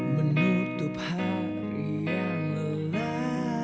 menutup hari yang lelah